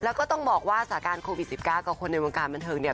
แล้วก็ต้องบอกว่าสถานการณ์โควิด๑๙กับคนในวงการบันเทิงเนี่ย